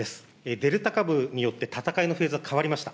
デルタ株によって戦いのフェーズが変わりました。